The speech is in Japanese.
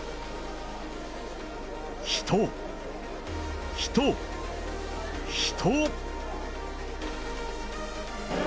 人、人、人。